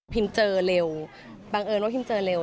เจอเร็วบังเอิญว่าพิมเจอเร็ว